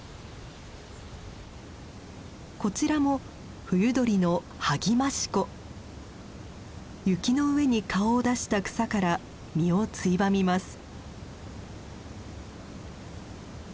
こちらも冬鳥の雪の上に顔を出した草から実をついばみます。